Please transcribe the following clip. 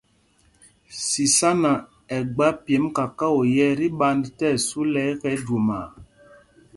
Sisána ɛ́ gba pyemb kakao yɛ́ tí ɓand tí ɛsu lɛ ɛkɛ jwomaa.